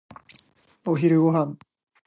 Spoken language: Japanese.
お昼ご飯。